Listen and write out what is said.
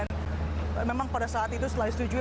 dan memang pada saat itu setelah ditetujui